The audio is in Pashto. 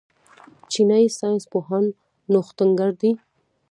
چینايي ساینس پوهان نوښتګر دي.